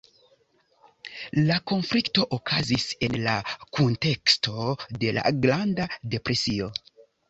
La konflikto okazis en la kunteksto de la Granda Depresio.